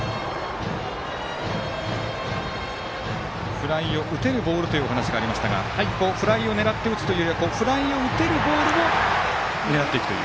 フライを打てるボールというお話がありましたがフライを狙って打つというよりフライを打てるボールを狙っていくという？